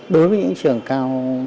đối với những trường cao đẳng